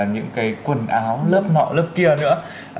những cái quần áo lớp nọ lớp kia nữa